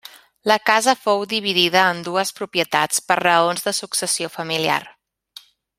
La casa fou dividida en dues propietats per raons de successió familiar.